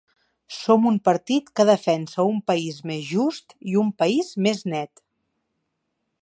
Som un partit que defensa un país més just i un país més net.